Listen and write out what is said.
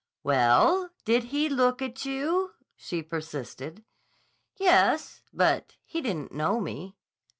"Well, did he look at you?" she persisted. "Yes. But he didn't know me."